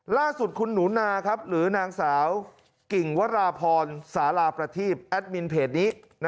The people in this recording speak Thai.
ล่าสุดคุณหนูนาหรือนางสาวกิ่งวราพรสาราประทีปแอดมินเพจนี้